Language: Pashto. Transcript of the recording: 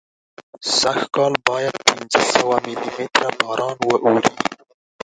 سږکال باید پینځه سوه ملي متره باران واوري.